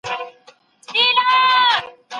انسان د مځکي د ټولو چارو مسووليت لري.